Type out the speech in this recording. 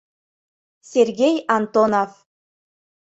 Сергей Антонов